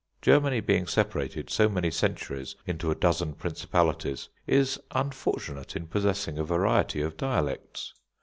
Germany being separated so many centuries into a dozen principalities, is unfortunate in possessing a variety of dialects.